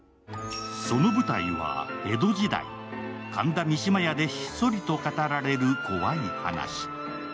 その舞台は江戸時代、神田三島屋でひっそりと語られる怖い話。